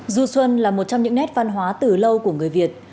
du xuân là một trong những nét văn hóa từ lâu của người việt